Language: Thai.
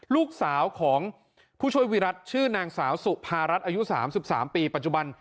ลูกสาวของผู้ช่วยวิรัติชื่อนางสาวสุภารัฐอายุ๓๓ปีปัจจุบัน